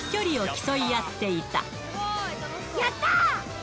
やったー！